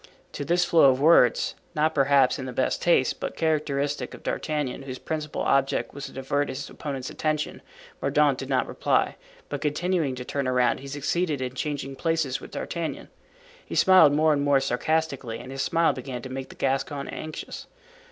To this flow of words, not perhaps in the best taste, but characteristic of D'Artagnan, whose principal object was to divert his opponent's attention, Mordaunt did not reply, but continuing to turn around he succeeded in changing places with D'Artagnan. He smiled more and more sarcastically and his smile began to make the Gascon anxious.